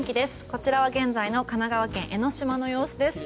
こちらは現在の神奈川県・江の島の様子です。